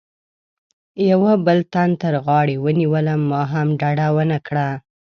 یوه بل تن تر غاړې ونیولم، ما هم ډډه و نه کړه.